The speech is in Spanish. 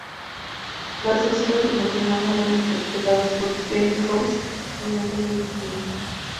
Las dos hijas del matrimonio eran interpretadas por Jeanine Roos y Anne Whitfield.